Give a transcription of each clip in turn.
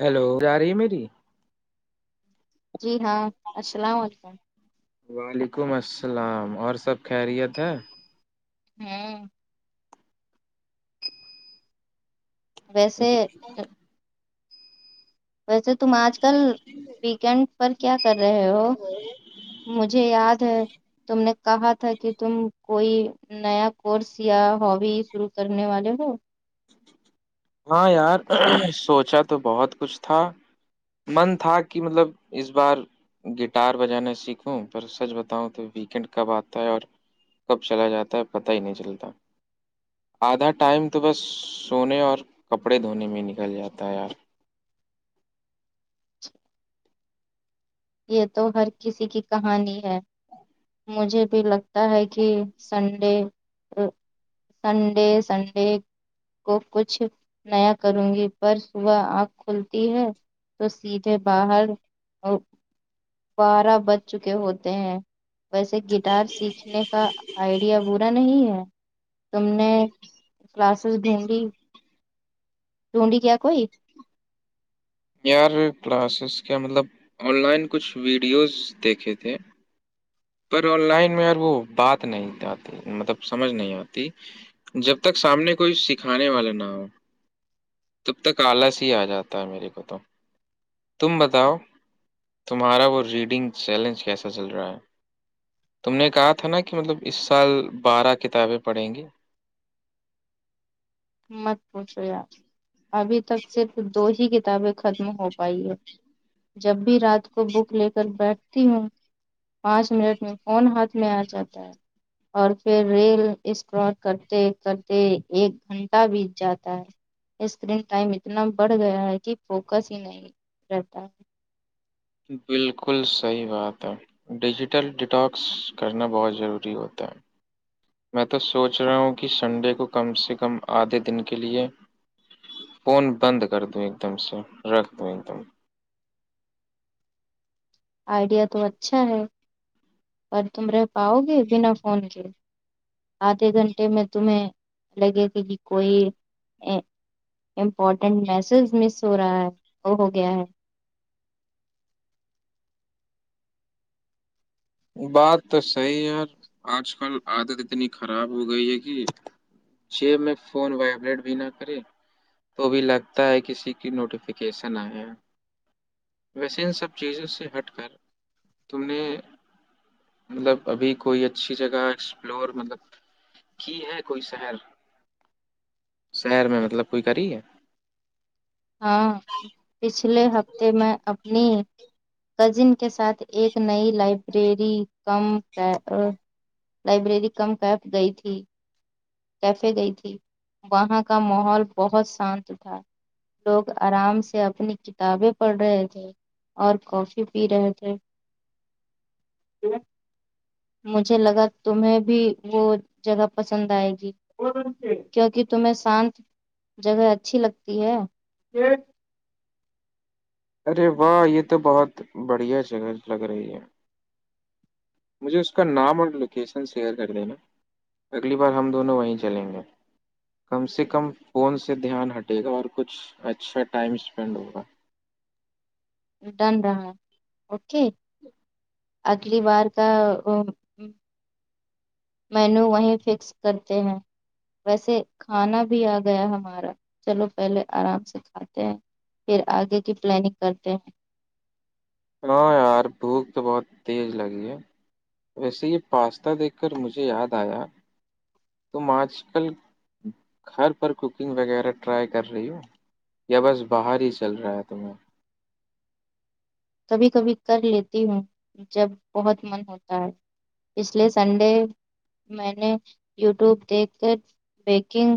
hello جا رہی ہے میری جی ہاں السلام علیکم وعلیکم السلام اور سب خیریت ہے [unintelligible] ویسے [unintelligible] ویسے تم آج کل ویکینڈ پر کیا کر رہے ہو مجھے یاد ہے تم نے کہا تھا کہ تم کوئی نیا کورس یا ہابی شروع کرنے والے ہ ہاں یار سوچا تو بہت کچھ تھا من تھا کہ مطلب اس بار گٹار بجانا سیکھوں پر سچ بتاؤں تو ویکینڈ کب آتا ہے اور کب چلا جاتا ہے پتا ہی نہیں چلتا آدھا ٹائم تو بس سونے اور کپڑے دھونے میں نکل جاتا ہے یار یہ تو ہر کسی کی کہانی ہے مجھے بھی لگتا ہے کہ سن [unintelligible] کو کچھ نیا کروں گی پر صبح آنکھ کھلتی ہے تو سیدھے باہر اور بارہ بج چکے ہوتے ہیں ویسے گٹار سیکھنے کا آئیڈیا برا نہیں ہے تم نے کلاسز ڈھونڈی ڈھونڈی کیا کوئی یار کلاسز کے مطلب آن لائن کچھ ویڈیوز دیکھے تھے پر آن لائن میں وہ بات نہیں آ مطلب سمجھ نہیں آتی جب تک سامنے کوئی سکھانے والا نہ ہو تب تک آلس ہی آ جاتا ہے میرے کو تو تم بتاؤ تمہارا وہ ریڈنگ چیلنج کیسا چل رہا ہے تم نے کہا تھا نا کہ مطلب اس سال بارہ کتابیں پڑھیں گی مت پوچھو یار ابھی تک صرف دو ہی کتابیں ختم ہو پے جب بھی رات کو بک لے کر بیٹھتی ہوں پانچ منٹ میں فون ہاتھ میں آ جاتا ہے اور پھر ریل اسکرال کرتے کرتے ایک گھنٹ بیت جاتا ہے اسکرین ٹائم اتنا بڑھ گیا ہے کہ فوکس ہی نہیں رہتا بالکل صحیح بات ہے ڈیجیٹل ڈٹاکس کرنا بہت ضروری ہوتا ہے میں تو سوچ رہا ہوں کہ سنڈے کو کم سے کم آدھے دن کے لئے فون بند کر د ایک دم سے رکھ دوں ایک دم آئیڈیا تو اچھا ہے پر تم رہ پاؤ گے بنا فون کے آدھے گھنٹے میں تمہیں لگے گا کہ کوئی ا امپورٹنٹ میسز مس ہو رہا ہے وہ ہو گیا ہے بات تو صحیح یار آج کل عادت اتنی خراب ہو گئی ہے کہ جی میں فون وائبریٹ بھی نہ کرے تو بھی لگتا ہے کسی کی نوٹیفیکیشن آئے ویسے ان سب چیزوں سے ہٹ کر تم نے مطلب ابھی کوئی اچھی جگہ ایکسپلور مطلب کی ہے کوئی شہر شہر میں مطلب کوئی کری ہے ہاں پچھلے ہفتے میں اپنی کزن کے ساتھ ایک نئی لائبریری کم پر لائبریری کم کیپ گئی تھی کیفے گئی تھی وہاں کا ماحول بہت شانت تھا لوگ آرام سے اپنی کتابیں پڑھ رہے تھے اور کافی پی رہے تھے مجھے لگا تمہیں بھی وہ جگہ پسند آئے گی ج کیک تمہیں شانت جگہ اچھی لگتی ہے ارے واہ یہ تو بہت بڑھیا جگہ لگ رہی ہے مجھے اس کا نام اور لوکیشن شیئر کر دینا اگلی بار ہم دونوں وہیں چلیں گے کم سے کم فون سے دھیان ہٹے گا اور کچھ اچھا ٹائم اسپینڈ ہوگا ڈن رہا اوکے اگلی بار کا مینو وہیں فکس کرتے ہیں ویسے کھانا بھی آ گیا ہمارا چلو پہلے آرام سے کھاتے ہیں پھر آگے کی پلاننگ کرتے ہیں ہاں یار بھوک تو بہت تیز لگی ہے ویسے یہ پاستا دیکھ کر مجھے یاد آیا تم آج کل گھر پر کوکنگ وغیرہ ٹرائی کر رہی ہو یا بس باہر ہی چل رہا ہے تمہیں کبھی کبھی کر لیتی ہوں جب بہت من ہوتا ہے پچھلے سنڈے میں نے یوٹیوب دیکھ کر بیکنگ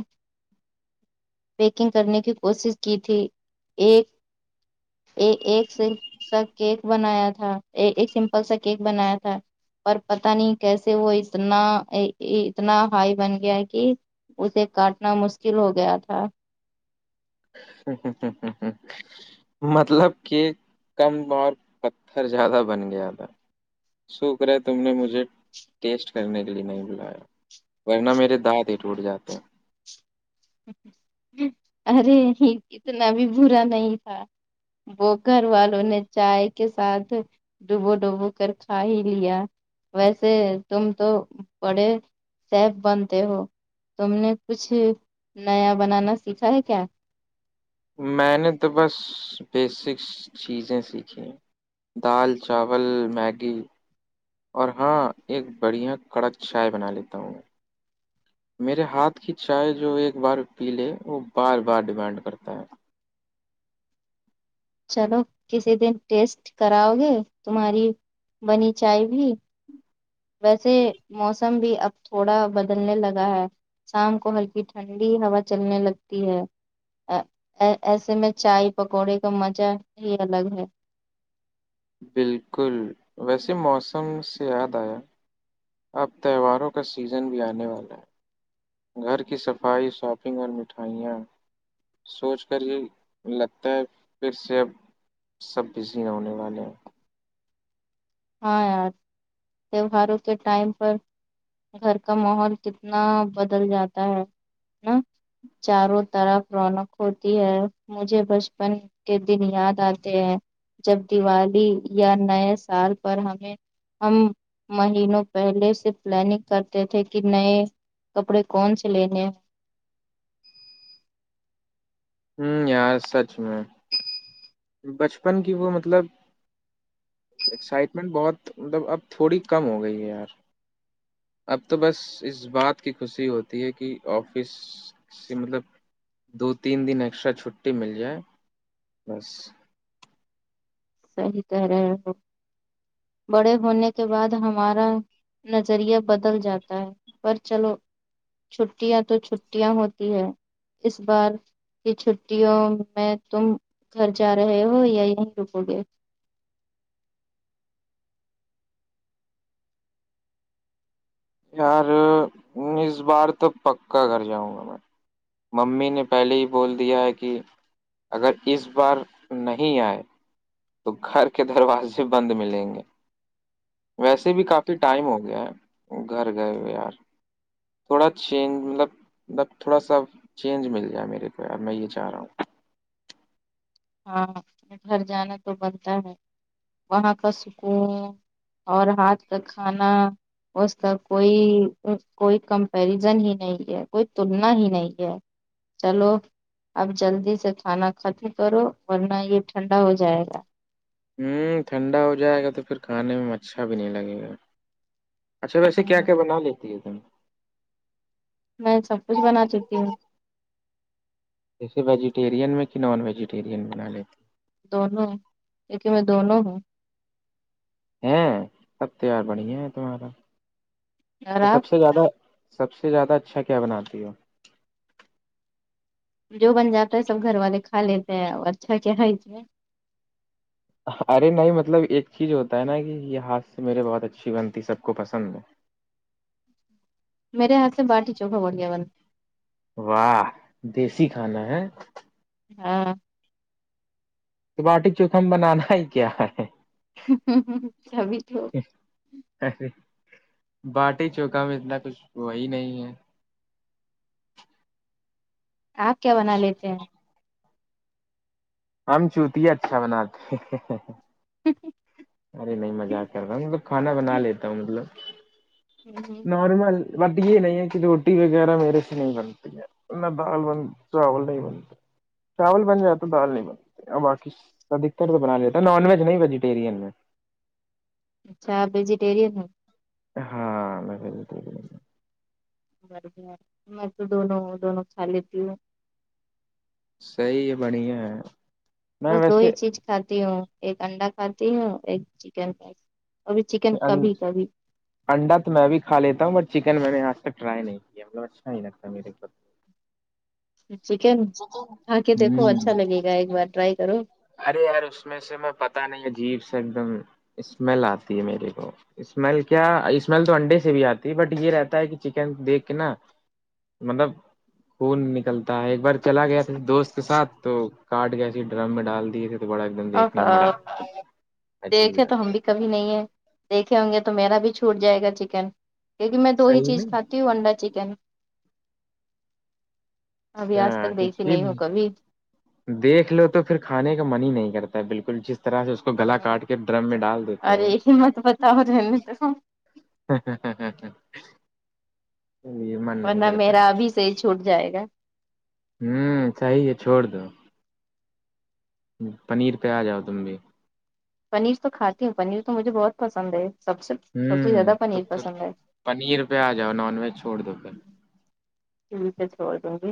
پیکنگ کرنے کی کوشش کی تھی ایک ایک سے سا کیک بنایا تھا ایک ایک سمپل سا کیک بنایا تھا پر پتا نہیں کیسے وہ اتنا اتنا ہائی بن گیا ہے کہ اسے کاٹنا مشکل ہو گیا تھا ہ ہ ہ ہ ہ [unintelligible] مطلب کہ کم اور پتھر زیادہ بن گیا تھا شکر ہے تم نے مجھے ٹیسٹ کرنے کے لیے نہیں بلایا ورنہ میرے دانت ہی ٹوٹ جاتے ہیں ارے اتنا بھی برا نہیں تھا وہ گھر والوں نے چائے کے ساتھ ڈوبو ڈوبو کر کھا ہی لیا ویسے تم تو پڑے سیف بنتے ہو تم نے کچھ نیا بنانا سیکھا ہے کیا میں نے تو بس بیسکس چیزیں سیکھی ہیں دال چاول میگی اور ہاں ایک بڑھیا کڑک چائے بنا لیتا ہوں میں میرے ہاتھ کی چائے جو ایک بار پی لے وہ بار بار ڈیمانڈ کرتا ہے چلو کسی دن ٹیسٹ کراؤ گے تمہاری بنی چائے بھی ویسے موسم بھی اب تھوڑا بدلنے لگا ہے شام کو ہلکی ٹھنڈی ہوا چلنے لگتی ہے ایسے میں چائے پکوڑے کا مزہ ہی الگ ہے بالکل ویسے موسم سے یاد آیا اب تہواروں کا سیزن بھی آنے والا ہے گھر کی صفائی شاپنگ اور مٹھائیاں سوچ کر ہی لگتا ہے پھر سے اب سب بزی نہ ہونے والے ہیں ہاں یار تیوہاروں کے ٹائم پر گھر کا ماحول کتنا بدل جاتا ہے نا چاروں طرف رونق ہوتی ہے مجھے بچپن کے دن یاد آتے ہیں جب دیوالی یا نئے سال پر ہمیں ہم مہینوں پہلے سے پلاننگ کرتے تھے کہ نئے کپڑے کون سے لینے ہیں ہوں یار سچ میں بچپن کی وہ مطلب ایکسائٹمنٹ بہت مطلب اب تھوڑی کم ہو گئی ہے یار اب تو بس اس بات کی خوشی ہوتی ہے کہ آفس مطلب دو تین دن ایکسٹرا چھٹی مل جائے بس صحی کہہ رہے ہو بڑے ہونے کے بعد ہمارا نظریہ بدل جاتا ہے پر چلو چھٹیاں تو چھٹیاں ہوتی ہے اس بار کی چھٹیوں میں تم گھر جا رہے ہو یا یہیں رکو گے یار اس بار تو پکا گھر جاؤں گا میں ممی نے پہلے ہی بول دیا ہے کہ اگر اس بار نہیں آئے تو گھر کے دروازے بند ملیں گے ویسے بھی کافی ٹائم ہو گیا ہے گھر گئے ہوئے یار تھوڑا چینج مطلب مطلب تھوڑا سا چینج مل جائے میرے کو یار میں یہ چاہ رہا ہوں ہاں گھر جانا تو بنتا ہے وہاں کا سکون اور ہاتھ کا کھانا اس کا کوئی کوئی کمپیرزن ہی نہیں ہے کوئی تلنا ہی نہیں ہے چلو اب جلدی سے کھانا ختم کرو ورنہ یہ ٹھنڈا ہو جائے گا ہوں ٹھنڈا ہو جائے گا تو پھر کھانے میں اچھا بھی نہیں لگے گا اچھا ویسے کیا کیا بنا لیتی ہے تم میں سب کچھ بنا چتی ہوں جیسے ویجیٹیرین میں کہ نان ویجیٹیرین بنا لیں دونوں ایکے میں دونوں ہوں ہے سب تییار بڑھیا ہے تمہارا اور تو سب آپ سے زیادہ سب سے زیادہ اچھا کیا بناتی ہو جو بن جاتا ہے سب گھر والے کھا لیتے ہیں اچھا کیا ارے نہیں مطلب ایک چیز ہوتا ہے نا کہ یہ ہاتھ سے میرے بہت اچھی بنتی سب کو پسند ہے میرے ہاتھ سے باٹی چوکا بڑ گیا بند واہ دیسی کھانا ہے ہاں تو باٹیک چوکھم بنانا ہی کیا ہے کبھی تو ے باٹی چوکا میں اتنا کچھ وہی نہیں ہے آپ کیا بنا لیتے ہیں ہمم چو مناات جی ارے نہیں مزا کر رہاوں ملب کھانا بنا لیتا ہوں مطلب ہیں نارمل بٹ یہ نہیں ہے کہ روٹی وغیرہ میرے سے نہیں بنتی نہ دال بن چاول نہیں بنتا چاول بن جاتا دال نہیں بن ا بقی ادکتر تو بنا لیتا نان ویج نہیں بجی پری میں اچھا ویجیٹیرین ہے ہاں میں بھی بر تو دونوں دونوں خال ت صحیح ہے بڑیا بس دو ہی چیز کھاتی ہوں ایک انڈا کھاتی ہوں ایک چکن فائس ابھی چکن کبھی کبھی انڈا تو میں بھیھا لیتا ہوں ب چکن میں نے آج تک ٹرائی نہیں کیا مطل اچھا نہیں لگتا میرے ب چکن کھا کے دیکھو اچھا ہوں لگے گا ایک بار ٹرائی کرو ارے یار اس میں سے میں پتا نہیں ہے جیب سے ایک دم اسمیل آتی ہے میرے کو اسمیل کیا اسمیل تو انڈے سے بھی آتی بٹ یہ رہتا ہے کہ چکن دیکھ کے نا مطلب خون نکلتا ہے ایک بار چلا گیا تھا دوست کے ساتھ تو کاٹ گیا تھے ڈرم میں ڈال دیے تھے تو بڑا ایک دم دیکھنے میں بڑا اور عجیب دیکھے تو لگا ہم بھی کبھی نہیں ہیں دیکھے ہوں گے تو میرا بھی چھوٹ جائے گا چکن کیونکہ میں دو ہی صحیح چیز نہیں کھاتی ہوں انڈا چکن ابھی آج اچھا تک دیکھی نہیں ہو کیونکہ کبھی دیکھ لو تو پھر کھانے کا من ہی نہیں کرتا ہے بالکل طرح سے اس کو گلا کاٹ کے ڈرم میں ڈال دیتے ارے ہیں مت بتاؤ رہنے دو ہاں ورنہ میرا ابھی سے ہی چھوٹ جائے گا ہوں صیے چھوڑ دو پنیر پہ آ جاؤ تم بھی پنیر تو کھاتی ہوں پنیر تو مجھے بہت پسند ہے سب سے سب ہوں سے زیادہ تو پنیر پھر پسند ہے پنیر پہ آ جاؤ نان ویج چھوڑ دو پھر ٹھیک ہے چھوڑ دوں گی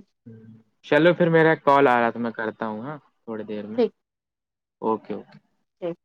چلو پھر میرا ایک کال آ رہا تھا میں کرتا ہوں ہاں تھوڑی دیر میں اوکے اوکے ٹھ